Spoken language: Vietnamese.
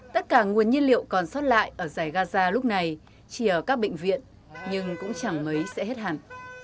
tất cả nguồn nhiên liệu còn sót lại ở giải gaza lúc này chỉ ở các bệnh viện nhưng cũng chẳng mấy sẽ hết hẳn